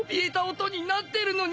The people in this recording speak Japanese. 寝擦なってるのに